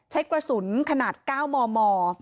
กระสุนขนาด๙มม